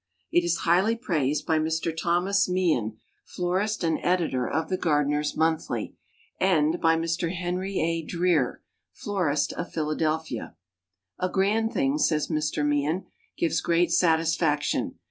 It is highly praised by Mr. Thomas Meehan, florist and editor of the Gardeners' Monthly, and by Mr. Henry A. Dreer, florist, of Philadelphia. "A grand thing," says Mr. Meehan. "Gives great satisfaction.